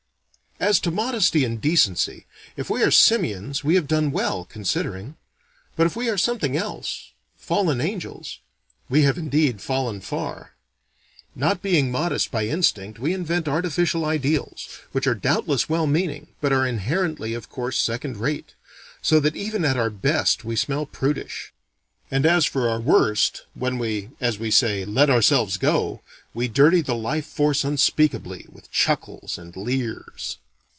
As to modesty and decency, if we are simians we have done well, considering: but if we are something else fallen angels we have indeed fallen far. Not being modest by instinct we invent artificial ideals, which are doubtless well meaning but are inherently of course second rate, so that even at our best we smell prudish. And as for our worst, when we as we say let ourselves go, we dirty the life force unspeakably, with chuckles and leers.